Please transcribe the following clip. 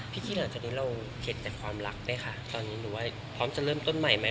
ขี้หลังจากนี้เราเข็ดแต่ความรักไหมคะตอนนี้หรือว่าพร้อมจะเริ่มต้นใหม่ไหม